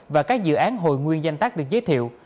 và các dự án hồi nguyên danh tác được giới thiệu